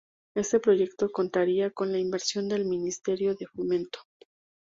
Este proyecto contaría con la inversión del Ministerio de Fomento.